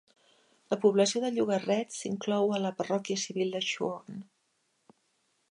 La població del llogarret s'inclou a la parròquia civil de Shorne.